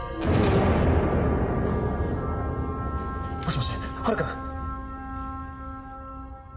もしもしハル君！？